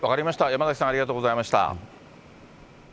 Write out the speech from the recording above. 山崎さん、ありがとうございました。